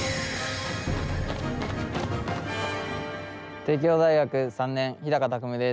帝京大学３年、日高拓夢です。